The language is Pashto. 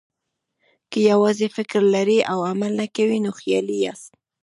که یوازې فکر لرئ او عمل نه کوئ، نو خیالي یاست.